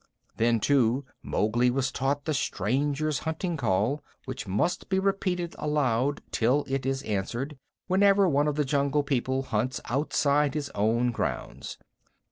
Then, too, Mowgli was taught the Strangers' Hunting Call, which must be repeated aloud till it is answered, whenever one of the Jungle People hunts outside his own grounds.